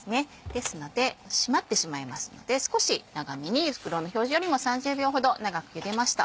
ですので締まってしまいますので少し長めに袋の表示よりも３０秒ほど長くゆでました。